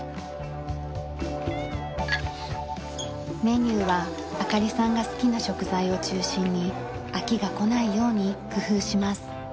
メニューは朱里さんが好きな食材を中心に飽きがこないように工夫します。